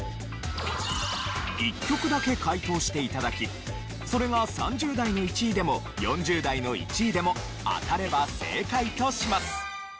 １曲だけ解答して頂きそれが３０代の１位でも４０代の１位でも当たれば正解とします。